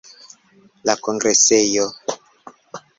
La kongresejo.